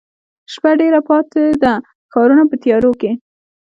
شپه ډېره پاته ده ښارونه په تیاروکې،